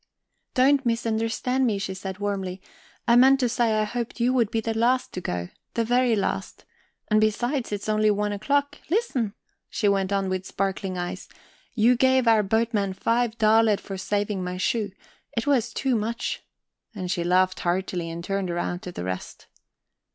"Don't misunderstand me," she said warmly. "I meant to say I hoped you would be the last to go, the very last. And besides, it's only one o'clock... Listen," she went on with sparkling eyes, "you gave our boatmen five daler for saving my shoe. It was too much." And she laughed heartily and turned round to the rest.